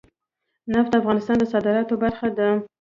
نفت د افغانستان د صادراتو برخه ده.